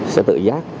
sẽ tự giác